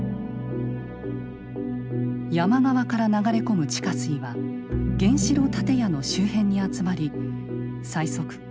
山側から流れ込む地下水は原子炉建屋の周辺に集まり最速